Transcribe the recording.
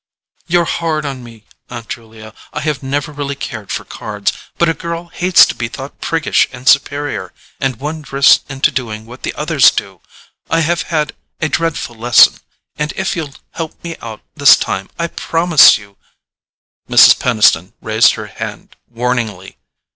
"You're hard on me, Aunt Julia: I have never really cared for cards, but a girl hates to be thought priggish and superior, and one drifts into doing what the others do. I've had a dreadful lesson, and if you'll help me out this time I promise you—" Mrs. Peniston raised her hand warningly.